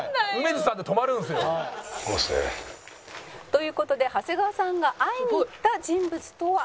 「という事で長谷川さんが会いに行った人物とは」